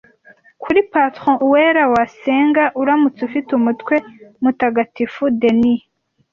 Kuri Patron Uwera wasenga uramutse ufite umutwe mutagatifu Dennis